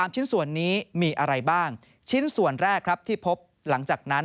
ชิ้นส่วนนี้มีอะไรบ้างชิ้นส่วนแรกครับที่พบหลังจากนั้น